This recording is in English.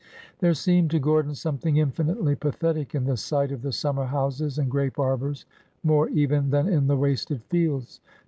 There seemed to Gordon something infinitely pathetic in the sight of the summer houses and grape arbors, more even than in the wasted fields.